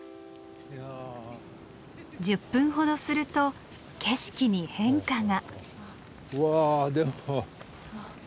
１０分ほどすると景色に変化が。